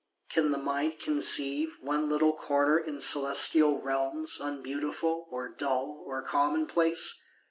Can the mind conceive One little corner in celestial realms Unbeautiful, or dull or commonplace?